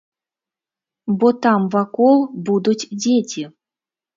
Бо там вакол будуць дзеці.